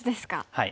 はい。